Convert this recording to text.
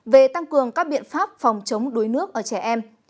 về tăng cường các biện pháp phòng chống đuối nước ở trẻ em